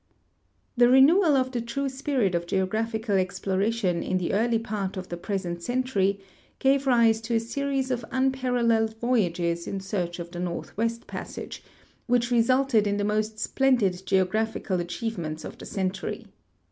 The renewal of the true spirit of geographical exploration in the early part of the present century gave rise to a series of un paralleled voyages in search of the northwest })assage, which re sulted in the most splended geographical achievements of the century.